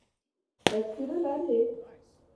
تذکره لرې؟